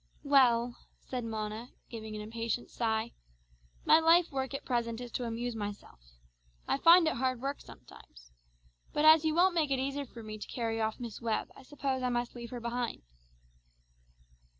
"Well," said Mona giving an impatient sigh, "my life work at present is to amuse myself. I find it hard work sometimes. But as you won't make it easy for me to carry off Miss Webb I suppose I must leave her behind."